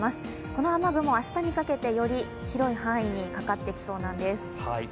この雨雲、明日にかけてより広い範囲にかかってきそうなんです。